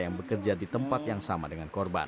yang bekerja di tempat yang sama dengan korban